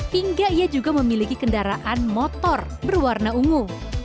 hingga ia juga memiliki kendaraan motor berwarna ungu